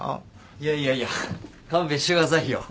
いやいやいや勘弁してくださいよ。